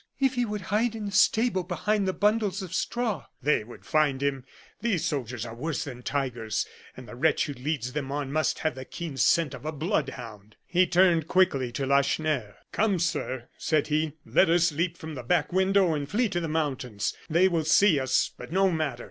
"If he would hide in the stable behind the bundles of straw " "They would find him! These soldiers are worse than tigers, and the wretch who leads them on must have the keen scent of a blood hound." He turned quickly to Lacheneur. "Come, sir," said he, "let us leap from the back window and flee to the mountains. They will see us, but no matter!